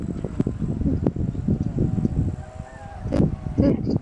গিয়ে দেখ তো কী হচ্ছে।